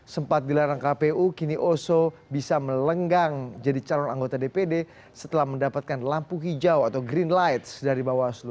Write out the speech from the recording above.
sempat dilarang kpu kini oso bisa melenggang jadi calon anggota dpd setelah mendapatkan lampu hijau atau green lights dari bawaslu